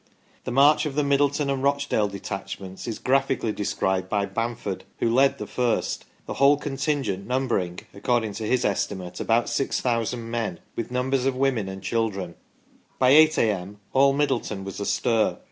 The march of the Middleton and Rochdale detachments is graphically described by Bamford, who led the first, the whole contingent numbering, accord ing to his estimate, about 6000 men, with numbers of women and children. By 8 a.m. all Middleton was astir.